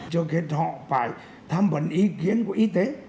cho kết họ phải tham vấn ý kiến của y tế